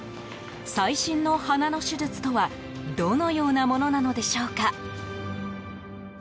最新の鼻の手術とはどのようなものなのでしょうか。